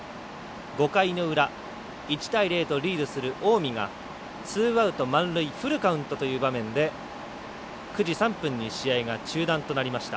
５回の裏、１対０とリードする近江がツーアウト、満塁フルカウントという場面で９時３分に試合が中断となりました。